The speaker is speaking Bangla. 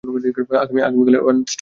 আমি আগামী কাল এভানষ্টনে যাচ্ছি।